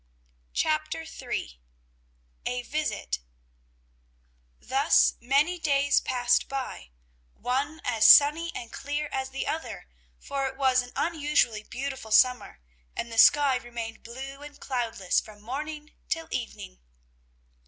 CHAPTER III A VISIT Thus many days passed by, one as sunny and clear as the other, for it was an unusually beautiful summer, and the sky remained blue and cloudless from morning till evening.